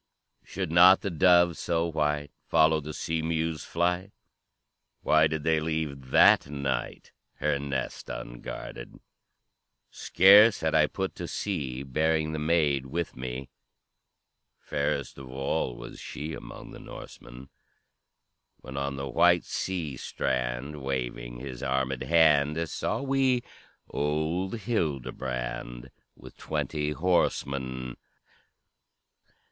Should not the dove so white Follow the sea mew's flight, Why did they leave that night Her nest unguarded? "Scarce had I put to sea, Bearing the maid with me, Fairest of all was she Among the Norsemen! When on the white sea strand, Waving his armèd hand, Saw we old Hildebrand, With twenty horsemen.